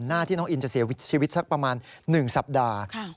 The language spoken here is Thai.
หน้าที่น้องอินจะเสียชีวิตสักประมาณ๑สัปดาห์